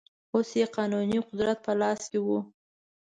اوس یې قانوني قدرت په لاس کې و.